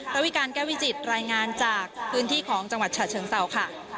ระวิการแก้วิจิตรายงานจากพื้นที่ของจังหวัดฉะเชิงเศร้าค่ะ